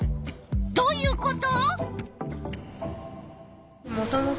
どういうこと？